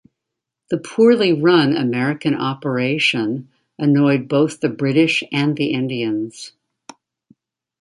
The poorly run American operation annoyed both the British and the Indians.